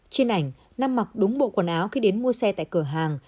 trên ảnh nam mặc đúng bộ quần áo khi đến mua xe tại cửa hàng